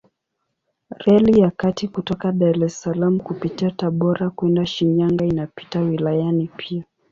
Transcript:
Reli ya kati kutoka Dar es Salaam kupitia Tabora kwenda Shinyanga inapita wilayani pia.